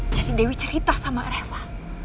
jadi dewi cerita sama reva